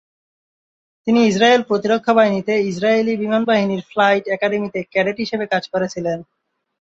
তিনি ইসরায়েল প্রতিরক্ষা বাহিনীতে ইসরায়েলি বিমান বাহিনীর ফ্লাইট একাডেমিতে ক্যাডেট হিসেবে কাজ করেছিলেন।